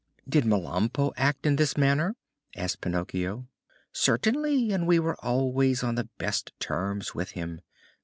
"Did Melampo act in this manner?" asked Pinocchio. "Certainly, and we were always on the best terms with him.